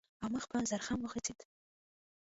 او مخ په زرخم وخوځېد.